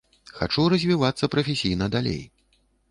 Хачу развівацца прафесійна далей.